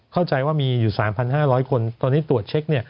เข้าใจว่ามีอยู่๓๕๐๐คนตอนนี้ตรวจเช็ค